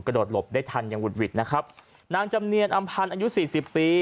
โดดหลบได้ทันอย่างหุดหวิดนะครับนางจำเนียนอำพันธ์อายุสี่สิบปี